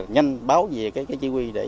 nhanh báo về cái chỉ huy để